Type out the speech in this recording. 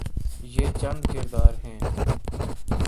یہ چند کردار ہیں۔